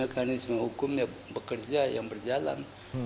mekanisme hukum yang bekerja yang berjalan